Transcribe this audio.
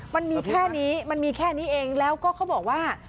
มันมีแค่นี้มันมีแค่นี้เองแล้วก็เขาบอกว่า